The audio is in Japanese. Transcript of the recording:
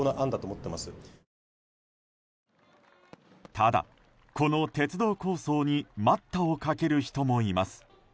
ただ、この鉄道構想に待ったをかける人もいます。